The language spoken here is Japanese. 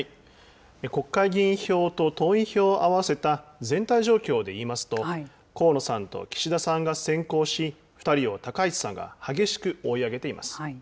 国会議員票と党員票を合わせた全体状況で言いますと、河野さんと岸田さんが先行し、２人を高市さんが激しく追い上げています。